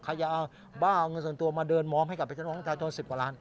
ใครจะเอาเงินส่วนตัวมาเดินมอบให้กับพี่น้องมัธยาชน๑๐กว่าล้าน